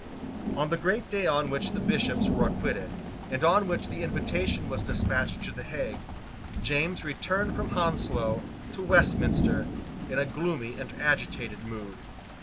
On the great day on which the Bishops were acquitted, and on which the invitation was despatched to the Hague, James returned from Hounslow to Westminster in a gloomy and agitated mood.